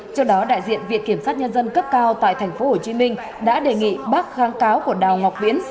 trước đó đại diện viện kiểm sát nhân dân cấp cao tại tp hcm đã đề nghị bác kháng cáo của đào ngọc viễn